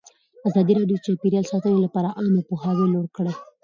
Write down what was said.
ازادي راډیو د چاپیریال ساتنه لپاره عامه پوهاوي لوړ کړی.